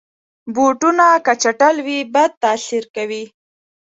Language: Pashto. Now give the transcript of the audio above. بوټونه که چټل وي، بد تاثیر کوي.